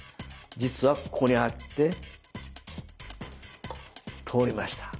実はここにあって通りました。